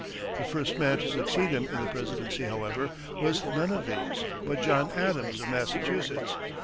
The first man to succeed him in the presidency, however, was none of these, but John Adams of Massachusetts.